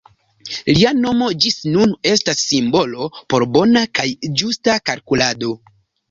Lia nomo ĝis nun estas simbolo por bona kaj ĝusta kalkulado.